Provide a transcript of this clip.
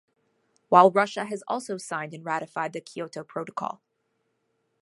While Russia has also signed and ratified the Kyoto Protocol.